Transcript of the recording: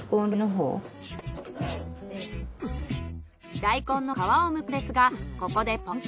大根の皮をむくのですがここでポイント。